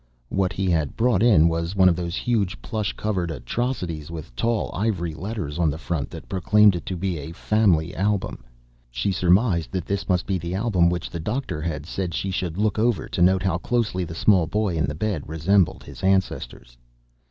What he had brought in was one of those huge, plush covered atrocities with tall ivory letters on the front that proclaimed it to be a Family Album. She surmised that this must be the album which the doctor had said she should look over to note how closely the small boy in the bed resembled his ancestors.